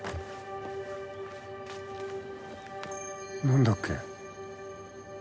何だっけ？